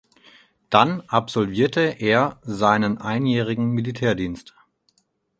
Dann absolvierte er seinen einjährigen Militärdienst.